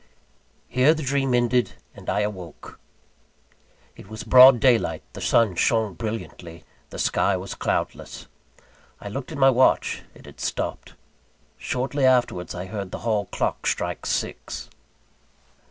Here the dream ended, and I awoke. It was broad daylight. The sun shone brilliantly, the sky was cloudless. I looked at my watch; it had stopped. Shortly afterwards I heard the hall clock strike six.